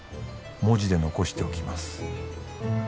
「文字で残しておきます」